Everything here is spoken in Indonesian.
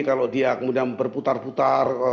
kalau dia kemudian berputar putar